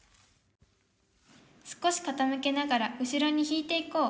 少しかたむけながら後ろに引いていこう。